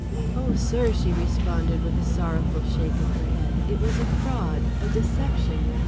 "O, sir," she responded with a sorrowful shake of her head, "it was a fraud, a deception.